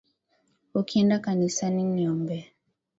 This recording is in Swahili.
Ukienda kanisani niombee.